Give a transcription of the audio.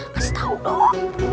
kasih tau dong